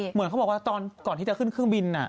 เหมือนเขาบอกว่าตอนก่อนที่จะขึ้นเครื่องบิน